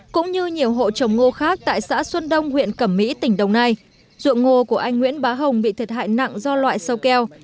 cũng như nhiều hộ trồng ngô khác tại xã xuân đông huyện cẩm mỹ tỉnh đồng nai ruộng ngô của anh nguyễn bá hồng bị thiệt hại nặng do loại sâu keo